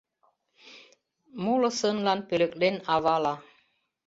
Моло сынлан пӧлеклен авала?